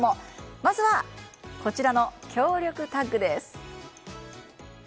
まずは、こちらの強力タッグです。